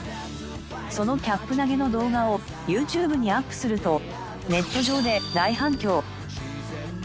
そのキャップ投げの動画をＹｏｕＴｕｂｅにアップするとネット上で大反響。